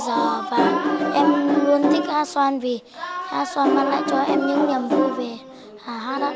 em học hát xoan từ lớp hai đến bây giờ và em luôn thích hát xoan vì hát xoan mang lại cho em những niềm vui về hát á